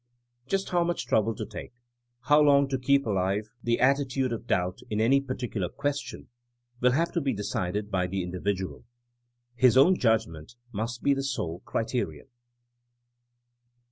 Just how much trouble to take, how long to 128 THINEINa AS A SCIENCE keep alive the attitude of doubt in any particu lar question, will have to be decided by the in dividual. His own judgment must be the sole criterion.